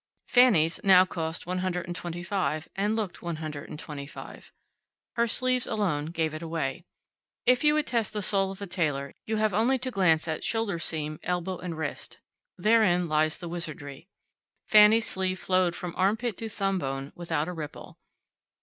Fanny's now cost one hundred and twenty five, and looked one hundred and twenty five. Her sleeves alone gave it away. If you would test the soul of a tailor you have only to glance at shoulder seam, elbow and wrist. Therein lies the wizardry. Fanny's sleeve flowed from arm pit to thumb bone without a ripple.